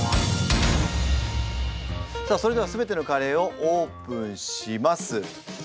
さあそれでは全てのカレーをオープンします。